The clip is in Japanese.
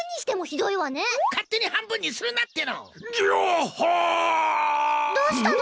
どうしたの？